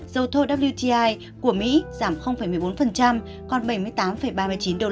dầu thô của mỹ giảm một mươi bốn còn bảy mươi tám ba mươi chín usd